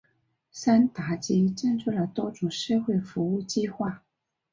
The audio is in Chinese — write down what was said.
山达基赞助了多种社会服务计画。